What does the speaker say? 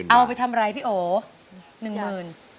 เอาไปทำอะไรพี่โอหนึ่งหมื่น